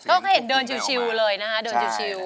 ก็เห็นเดินชิวเลยนะคะเดินชิล